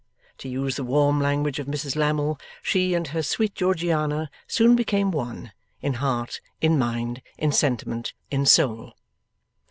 To use the warm language of Mrs Lammle, she and her sweet Georgiana soon became one: in heart, in mind, in sentiment, in soul.